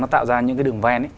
nó tạo ra những đường ven